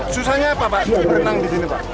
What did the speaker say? susahnya apa pak berenang di sini pak